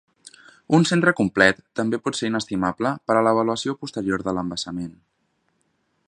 Un centre complet també pot ser inestimable per a l'avaluació posterior de l'embassament.